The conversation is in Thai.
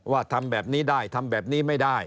ทำแบบนี้ได้ทำแบบนี้ไม่ได้